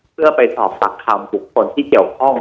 เพื่อไปสอบปากคำบุคคลที่เกี่ยวข้อง